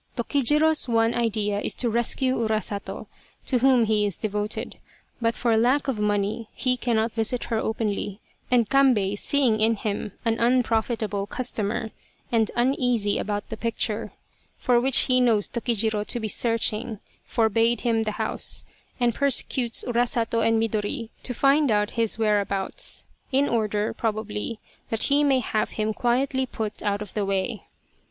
Tokijiro's one idea is to rescue Urasato, to whom he is de voted, but for lack of money he cannot visit her openly, and Kambei, seeing in him an unprofitable customer, and uneasy about the picture, for which he knows Tokijiro to be searching, forbade him the house, and persecutes Urasato and Midori to find out his whereabouts, in order, probably, that he may have him quietly put out of the way.